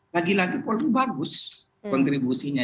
lagi lagi polri bagus kontribusinya